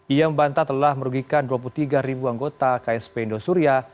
ia membantah telah merugikan dua puluh tiga ribu anggota ksp indosuria